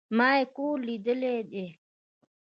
ما ئې کور ليدلى دئ